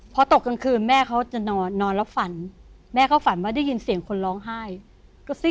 พอตกกลางคืนแม่เขาจะนอนแล้วฝันแม่เขาฝันว่าได้ยินเสียงคนร้องไห้กระซิบ